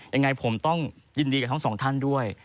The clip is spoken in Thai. ยังไงผมต้องยินดีกับทั้งสองท่านด้วย